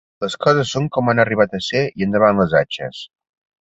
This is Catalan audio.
Les coses són com han arribat a ser i endavant les atxes.